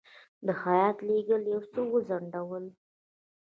د هیات لېږل یو څه وځنډول.